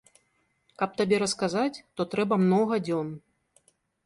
Каб табе расказаць, то трэба многа дзён.